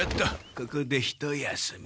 ここでひと休み。